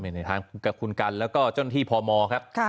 ในทางกับคุณกันแล้วก็เจ้าหน้าที่พมครับ